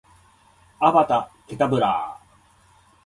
アバダ・ケタブラぁ！！！